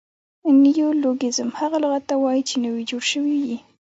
نیولوګیزم هغه لغت ته وایي، چي نوي جوړ سوي يي.